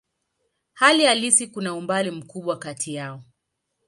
Hali halisi kuna umbali mkubwa kati yao.